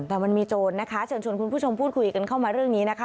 แต่มันมีโจรนะคะเชิญชวนคุณผู้ชมพูดคุยกันเข้ามาเรื่องนี้นะคะ